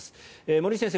森内先生